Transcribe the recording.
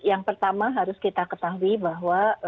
yang pertama harus kita ketahui bahwa